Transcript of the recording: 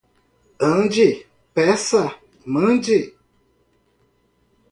Ande, peça, mande.